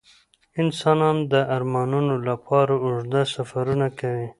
انسانان د ارمانونو لپاره اوږده سفرونه کوي.